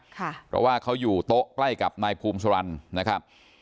เพราะว่าเขาอยู่โต๊ะใกล้กับนายภูมิสุรรณนะครับ